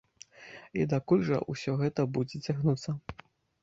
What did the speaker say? І дакуль жа ўсё гэта будзе цягнуцца?